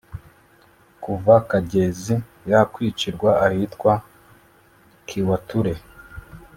Kuva Kagezi yakwicirwa ahitwa Kiwatule